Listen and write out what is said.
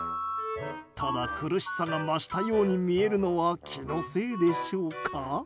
ただ、苦しさが増したように見えるのは気のせいでしょうか。